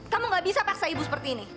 kamu gak bisa paksa ibu seperti ini